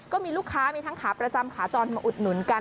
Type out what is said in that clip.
ก็มีลูกค้ามีทั้งขาประจำขาจรมาอุดหนุนกัน